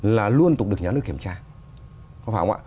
là luôn tục được nhà nước kiểm tra